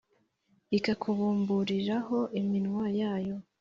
ikakubumburiraho iminwa yayo,